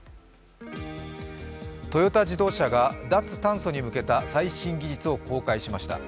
トヨタ自動車が脱炭素に向けた最新技術を公開しました。